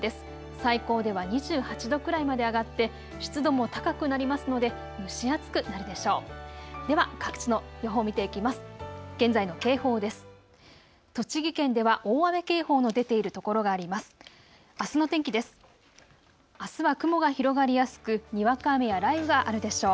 最高では２８度くらいまで上がって湿度も高くなりますので蒸し暑くなるでしょう。